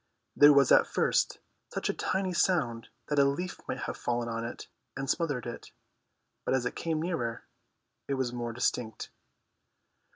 There was at first such a tiny sound that a leaf might have fallen on it and smothered it, but as it came nearer it was more distinct.